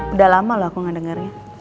udah lama loh aku gak dengernya